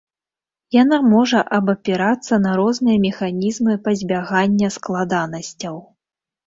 Яна можа абапірацца на розныя механізмы пазбягання складанасцяў.